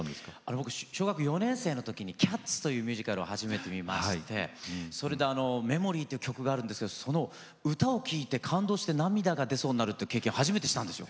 僕小学４年生の時に「キャッツ」というミュージカルを初めて見ましてそれで「メモリー」って曲があるんですけどその歌を聴いて感動して涙が出そうになるって経験初めてしたんですよ。